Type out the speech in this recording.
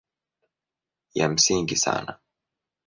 Ya msingi sana